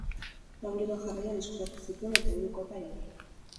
Lau liga jarraian eskuratu zituen eta hiru kopa ere bai.